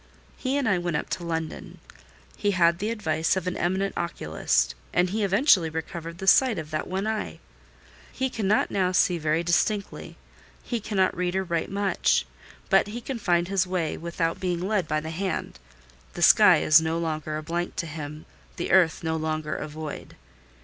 He and I went up to London. He had the advice of an eminent oculist; and he eventually recovered the sight of that one eye. He cannot now see very distinctly: he cannot read or write much; but he can find his way without being led by the hand: the sky is no longer a blank to him—the earth no longer a void.